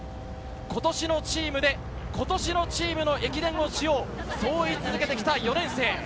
今年のチームで今年のチームの駅伝をしよう、そう言い続けてきた４年生。